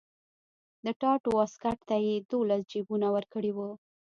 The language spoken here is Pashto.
د ټاټ واسکټ ته یې دولس جیبونه ورکړي وو.